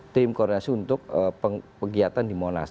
tim koordinasi untuk kegiatan di monas